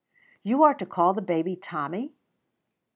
"You are to call the baby Tommy?"